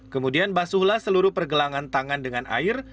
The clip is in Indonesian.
kemudian basuhlah seluruh pergelangan tangan dengan air